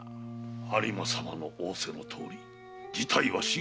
有馬様の仰せのとおり事態は深刻じゃ。